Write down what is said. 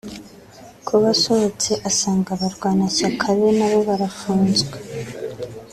Kuba asohotse asanga abarwanashyaka be nabo barafunzwe